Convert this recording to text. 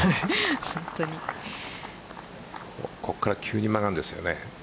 ここから急に曲がるんですよね。